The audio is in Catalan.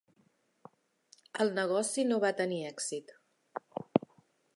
El negoci no va tenir èxit.